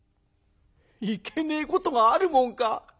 「いけねえことがあるもんか。